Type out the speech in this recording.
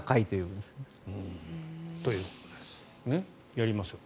やりましょう。